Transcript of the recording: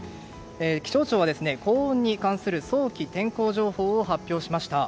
気象庁は高温に関する早期天候情報を発表しました。